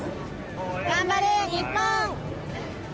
頑張れ、日本！